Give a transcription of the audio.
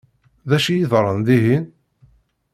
D acu i yeḍṛan dihin?